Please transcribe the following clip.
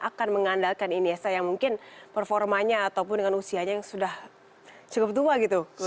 akan mengandalkan iniesta yang mungkin performanya ataupun dengan usianya yang sudah cukup tua gitu